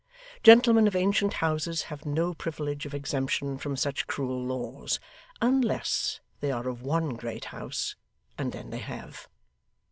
Gentlemen of ancient houses have no privilege of exemption from such cruel laws unless they are of one great house, and then they have.